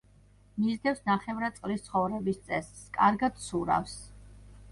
მისდევს ნახევრად წყლის ცხოვრების წესს; კარგად ცურავს.